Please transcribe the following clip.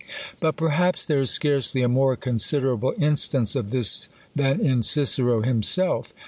But perhaps there is scarcely a more considerable in stance of this than in Cicero himself.